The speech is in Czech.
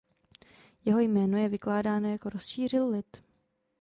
Jeho jméno je vykládáno jako "Rozšířil lid".